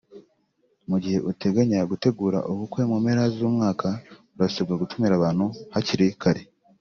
Mu gihe uteganya gutegura ubukwe mu mpera z’umwaka urasabwa gutumira abantu hakiri kare